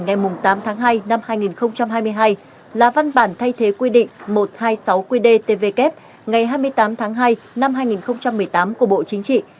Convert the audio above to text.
ngày tám tháng hai năm hai nghìn hai mươi hai là văn bản thay thế quy định một trăm hai mươi sáu qdtvk ngày hai mươi tám tháng hai năm hai nghìn một mươi tám của bộ chính trị